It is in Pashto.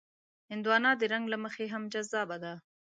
هندوانه د رنګ له مخې هم جذابه ده.